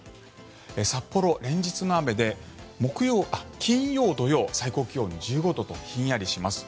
札幌、連日の雨で金曜、土曜最高気温１５度とひんやりします。